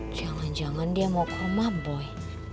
jangan jangan dia mau ke rumah boy